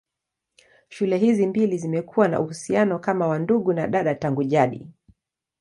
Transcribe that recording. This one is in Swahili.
Shule hizi mbili zimekuwa na uhusiano kama wa ndugu na dada tangu jadi.